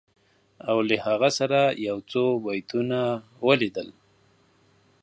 او له هغه سره یو څو بیتونه ولیدل